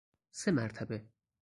سه مرتبه